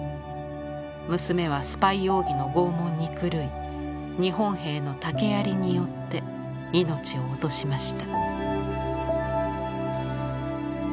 娘はスパイ容疑のごうもんに狂い日本兵の竹槍によって命を落としました」。